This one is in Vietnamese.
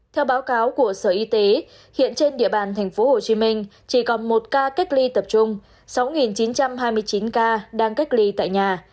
theo báo cáo của sở y tế hiện trên địa bàn tp hcm chỉ còn một ca cách ly tập trung sáu chín trăm hai mươi chín ca đang cách ly tại nhà